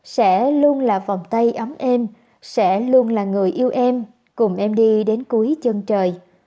sẽ luôn là vòng tay ấm em sẽ luôn là người yêu em cùng em đi đến cuối chân trời